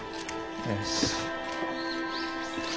よし。